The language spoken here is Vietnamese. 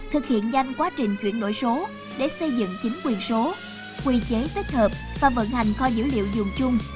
thực hiện nhanh quá trình chuyển đổi số để xây dựng chính quyền số quy chế tích hợp và vận hành kho dữ liệu dùng chung